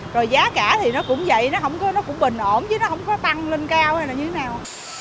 rồi giá cả thì nó cũng vậy nó cũng bình ổn chứ nó không có tăng lên cao hay là như thế nào